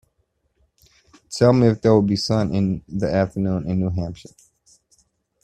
Tell me if there will be sun in the afternoon in New Hampshire